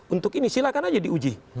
untuk ini silakan aja diuji